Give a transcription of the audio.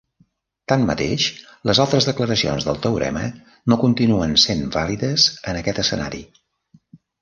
Tanmateix, les altres declaracions del teorema no continuen sent vàlides en aquest escenari.